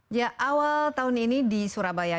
ya awal tahun ini di surabaya